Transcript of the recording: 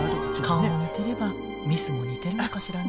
顔も似てればミスも似てるのかしらね。